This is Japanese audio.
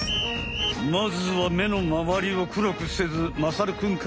まずは目のまわりを黒くせずまさるくんから。